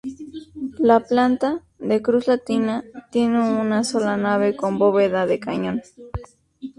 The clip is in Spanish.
La planta, de cruz latina, tiene una sola nave con bóveda de cañón.